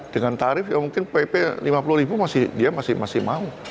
dengan tarif ya mungkin pp lima puluh ribu dia masih mau